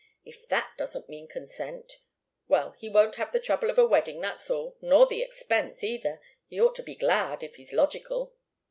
If that doesn't mean consent well, he won't have the trouble of a wedding, that's all, nor the expense, either. He ought to be glad, if he's logical."